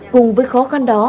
cùng với khó khăn đó